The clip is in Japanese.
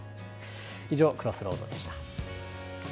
以上、クロスロードでした。